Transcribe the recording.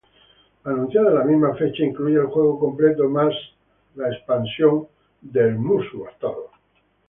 Anunciada en la misma fecha, incluye el juego completo más la expansión "World Edition.